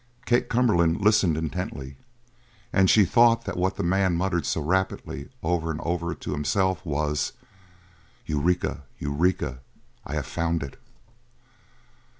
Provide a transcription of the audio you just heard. Kate Cumberland listened intently and she thought that what the man muttered so rapidly, over and over to himself, was: "Eureka! Eureka! I have found it!"